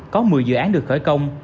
có một mươi dự án được khởi công